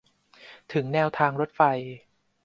ถึงแนวทางรถไฟ